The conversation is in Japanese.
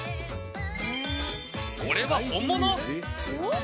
これは本物？